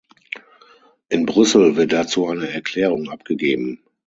In Brüssel wird dazu eine Erklärung abgegeben.